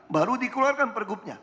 baru dikeluarkan pergubnya